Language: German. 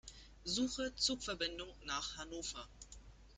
Suche Zugverbindungen nach Hannover.